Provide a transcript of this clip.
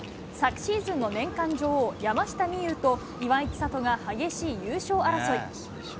昨シーズンの年間女王、山下美夢有と岩井千怜が激しい優勝争い。